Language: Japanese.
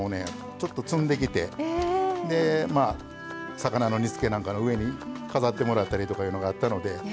ちょっと摘んできてまあ魚の煮つけなんかの上に飾ってもらったりとかいうのがあったので。